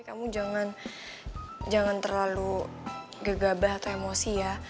kamu jangan terlalu gegabah atau emosi ya